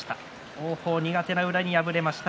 王鵬は苦手な宇良に敗れました。